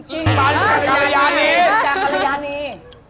จากกรยานี